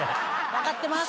分かってます。